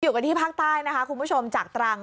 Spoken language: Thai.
อยู่กันที่ภาคใต้นะคะคุณผู้ชมจากตรัง